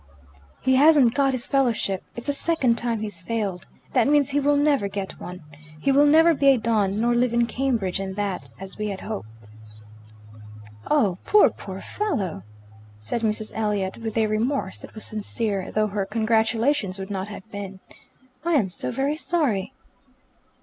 "He hasn't got his fellowship. It's the second time he's failed. That means he will never get one. He will never be a don, nor live in Cambridge and that, as we had hoped." "Oh, poor, poor fellow!" said Mrs. Elliot with a remorse that was sincere, though her congratulations would not have been. "I am so very sorry."